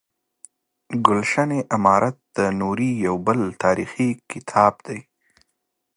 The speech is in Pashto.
ګلشن امارت د نوري یو بل تاریخي کتاب دی.